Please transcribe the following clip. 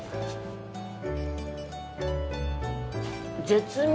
絶妙！